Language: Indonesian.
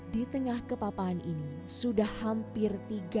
di tengah kepapaan ini sudah hampir tiga meter